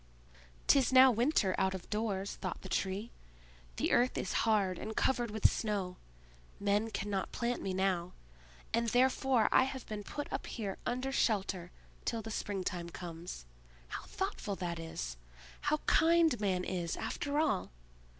"'Tis now winter out of doors!" thought the Tree. "The earth is hard and covered with snow; men cannot plant me now, and therefore I have been put up here under shelter till the springtime comes! How thoughtful that is! How kind man is, after all!